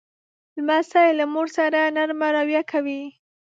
لمسی له مور سره نرمه رویه کوي.